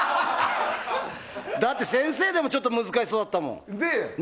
だって先生でも難しそうだったもん。